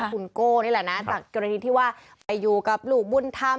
คุณโก้นี่แหละนะจากกรณีที่ว่าไปอยู่กับลูกบุญธรรม